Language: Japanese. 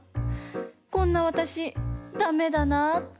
こんなわたしだめだなって。